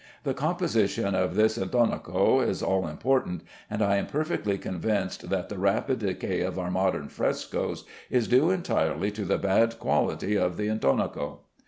The composition of this intonaco is all important, and I am perfectly convinced that the rapid decay of our modern frescoes is due entirely to the bad quality of the intonaco.